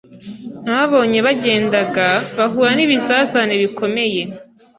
Nababonye bagendaga bahura n’ibizazane bikomeye.